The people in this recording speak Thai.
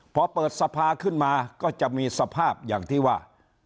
พอเปิดสภาขึ้นมาก็จะมีสภาพอย่างที่ว่า